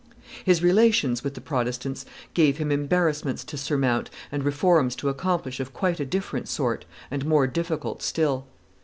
His relations with the Protestants gave him embarrassments to surmount and reforms to accomplish of quite a different sort, and more difficult still.